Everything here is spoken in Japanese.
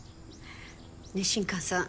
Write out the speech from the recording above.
ねえ新川さん